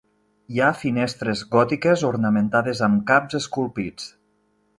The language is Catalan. Hi ha finestres gòtiques ornamentades amb caps esculpits.